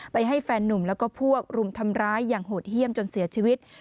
ให้แฟนนุ่มแล้วก็พวกรุมทำร้ายอย่างโหดเยี่ยมจนเสียชีวิต